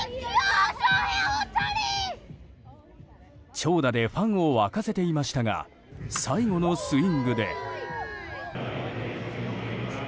長打でファンを沸かせていましたが最後のスイングで。